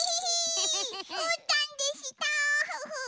うーたんでしたフフ。